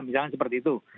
misalnya seperti itu